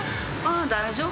大丈夫よ。